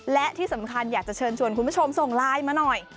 และที่สำคัญอยากจะเชิญชวนคุณผู้ชมส่งไลน์มาหน่อย